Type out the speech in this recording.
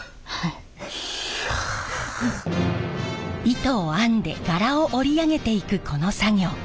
糸を編んで柄を織り上げていくこの作業。